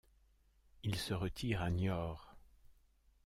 Il se retire à Niort.